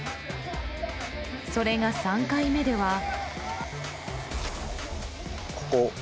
それが３回目では。